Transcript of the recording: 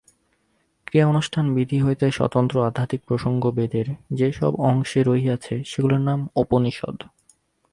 ক্রিয়ানুষ্ঠানবিধি হইতে স্বতন্ত্র আধ্যাত্মিক প্রসঙ্গ বেদের যে-সব অংশে রহিয়াছে, সেগুলির নাম উপনিষদ্।